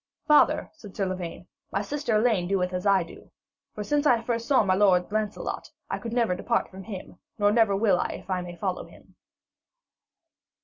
'Father,' said Sir Lavaine, 'my sister Elaine doeth as I do. For since I first saw my lord Lancelot, I could never depart from him, nor never will if I may follow him.'